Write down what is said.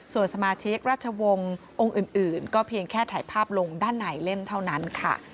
ส่วนสมาชิกราชวงศ์องค์อื่นก็เพียงแค่ถ่ายภาพลงด้านในเล่มเท่านั้นค่ะ